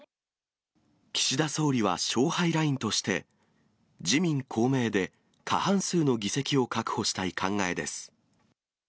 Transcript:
岸田総理は勝敗ラインとして、自民、公明で過半数の議席を確保したい考えです。